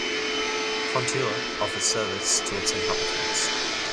Kontula offers service to its inhabitants.